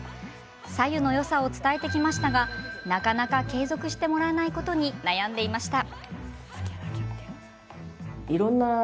白湯のよさを伝えてきましたがなかなか継続してもらえないことに悩んでいました。